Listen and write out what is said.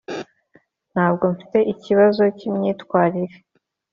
ntabwo mfite ikibazo cyimyitwarire;